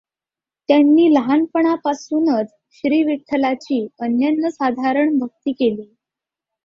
त्यांनी लहानपणापासूनच श्रीविठ्ठलाची अनन्यसाधारण भक्ती केली.